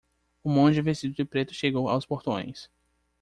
Um monge vestido de preto chegou aos portões.